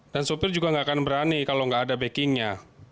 dan sopir juga gak akan berani kalau gak ada backingnya